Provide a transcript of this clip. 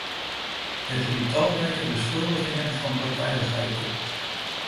Het riep talrijke beschuldigingen van partijdigheid op.